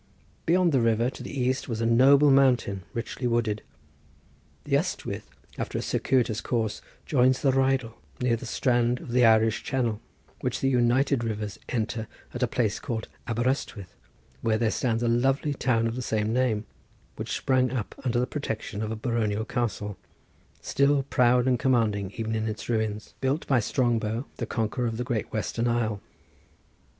Beyond the river to the east was a noble mountain, richly wooded. The Ystwyth, after a circuitous course, joins the Rheidol near the strand of the Irish Channel, which the united rivers enter at a place called Aber Ystwyth, where stands a lovely town of the same name, which sprang up under the protection of a baronial castle, still proud and commanding even in its ruins, built by Strongbow the conqueror of the great western isle.